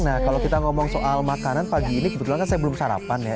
nah kalau kita ngomong soal makanan pagi ini kebetulan kan saya belum sarapan ya